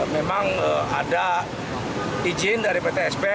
memang ada izin dari ptsp